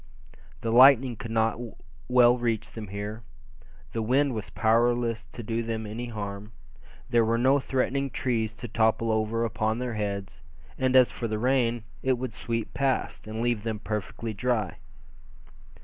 The lightning could not well reach them here, the wind was powerless to do them any harm; there were no threatening trees to topple over upon their heads; and as for the rain, it would sweep past, and leave them perfectly dry.